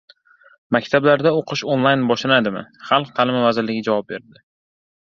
Maktablarda o‘qish onlayn boshlanadimi? Xalq ta’limi vazirligi javob berdi